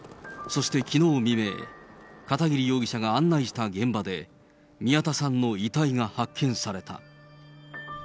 そしてきのう未明、片桐容疑者が案内した現場で、宮田さんの遺体が発見された。